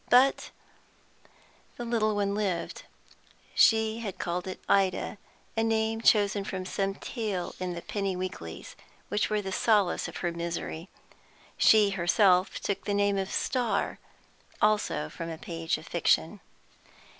But the little one lived. She had called it Ida, a name chosen from some tale in the penny weeklies, which were the solace of her misery. She herself took the name of Starr, also from a page of fiction.